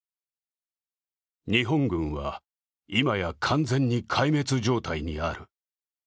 日本軍は、今や完全に壊滅状態にある。